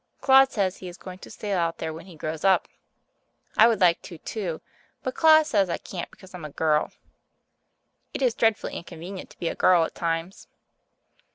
Claude says he is going to sail out there when he grows up. I would like to too, but Claude says I can't because I'm a girl. It is dreadfully inconvenient to be a girl at times.